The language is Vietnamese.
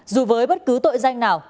dù với bất cứ tội danh nào